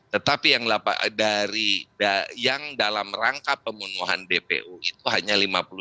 tetapi yang dalam rangka pembunuhan dpu itu hanya lima puluh delapan